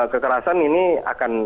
kekerasan ini akan